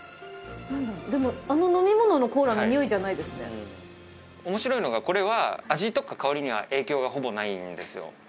でもあの飲み物のコーラのにおいじゃないですね面白いのがこれは味とか香りには影響がほぼないんですよ